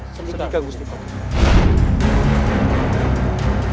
setika gusti patih